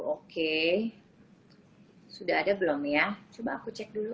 oke sudah ada belum ya coba aku cek dulu